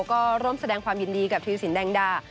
ก็ร่วมแสดงความยินดีกับธีรสินแดงดา